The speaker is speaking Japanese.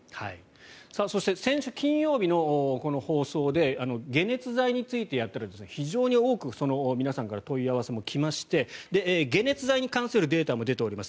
そして先週金曜日の放送で解熱剤についてやったら非常に多く、皆さんから問い合わせも来まして解熱剤に関するデータも出ています。